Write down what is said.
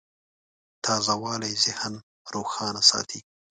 تازهوالی ذهن روښانه ساتي.